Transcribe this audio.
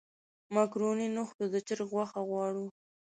مېکاروني نه خورو د چرګ غوښه غواړو.